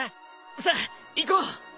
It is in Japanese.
さあ行こう。